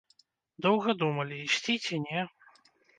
Доўга думалі, ісці ці не.